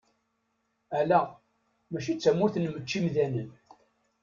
Ala, mačči d tamurt n mečč-imdanen!